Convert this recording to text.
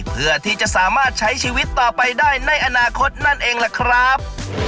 เพื่อที่จะสามารถใช้ชีวิตต่อไปได้ในอนาคตนั่นเองล่ะครับ